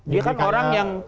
dia kan orang yang